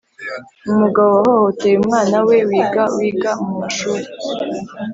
umugabo wahohoteye umwana we wiga wiga mu mashuri